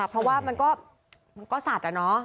เพราะว่ามันก็สัตว์อ่ะเนาะ